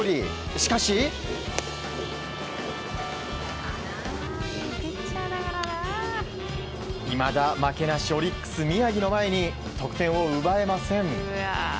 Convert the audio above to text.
しかし、いまだ負けなしオリックス宮城の前に得点を奪えません。